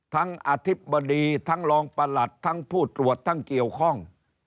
อธิบดีทั้งรองประหลัดทั้งผู้ตรวจทั้งเกี่ยวข้อง